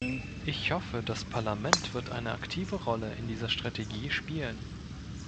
Ich hoffe, das Parlament wird eine aktive Rolle in dieser Strategie spielen.